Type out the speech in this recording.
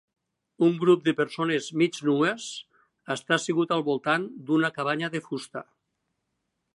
Un grup de persones mig nues està assegut al voltant d'una cabanya de fusta.